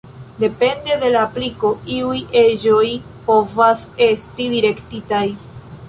Depende de la apliko, iuj eĝoj povas esti direktitaj.